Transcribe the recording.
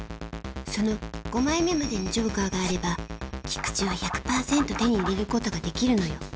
その５枚目までにジョーカーがあれば菊地は１００％手に入れることができるのよ。